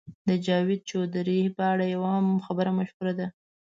د جاوید چودهري په اړه یوه خبره مشهوره ده.